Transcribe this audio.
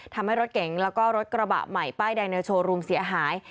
ทำให้รถเก๋งแล้วก็รถกระบะใหม่ป้ายแดงในโชว์รูมเสียหาย